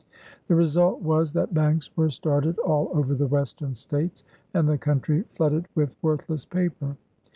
The result was, that banks were started all over the Western States, and the country flooded with worthless paper.